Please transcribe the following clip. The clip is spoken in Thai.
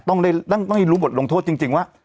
ต้องได้รู้บทลงโทษจริงว่า